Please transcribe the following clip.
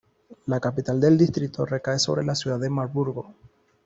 La capital del distrito recae sobre la ciudad de Marburgo.